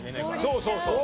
そうそうそう。